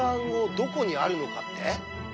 どこにあるのかって？